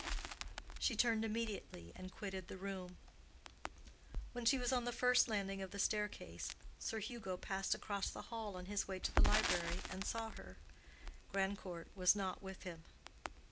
She turned immediately, and quitted the room. When she was on the first landing of the staircase, Sir Hugo passed across the hall on his way to the library, and saw her. Grandcourt was not with him.